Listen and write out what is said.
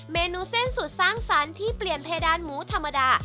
เมนูเส้นสุดสร้างสรรค์ที่เปลี่ยนเพดานหมูธรรมดา